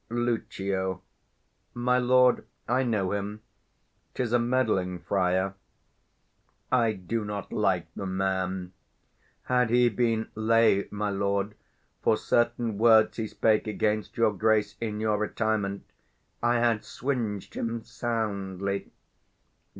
Lucio. My lord, I know him; 'tis a meddling friar; I do not like the man: had he been lay, my lord, For certain words he spake against your Grace In your retirement, I had swinged him soundly.